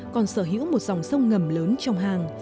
còn sở hữu một dòng sông ngầm lớn trong hang